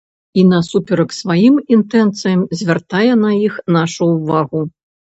І насуперак сваім інтэнцыям звяртае на іх нашу ўвагу.